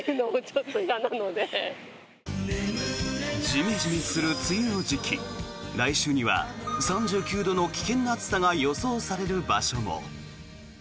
ジメジメする梅雨の時期来週には３９度の危険な暑さが予想される場所も。